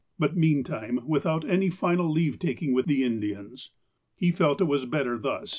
But meantime without any final leave taking with the Indians. He felt it was better thus.